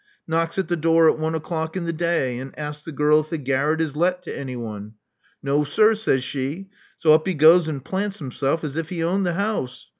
Knocks at the door at one o'clock in the day, and asks the girl if the garret is let to anyone. No, sir," says she. So up he goes and plants himself as if he owned the house.